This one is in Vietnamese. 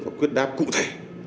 và quyết đáp cụ thể